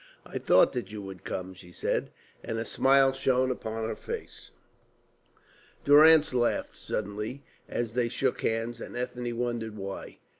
"I thought that you would come," she said, and a smile shone upon her face. Durrance laughed suddenly as they shook hands, and Ethne wondered why.